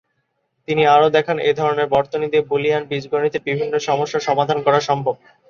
তিনি আরো দেখান, এধরনের বর্তনী দিয়ে বুলিয়ান বীজগণিতের বিভিন্ন সমস্যা সমাধান করা সম্ভব।